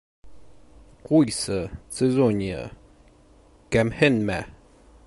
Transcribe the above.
Ҡуйсы, Цезония, кәмһенмә.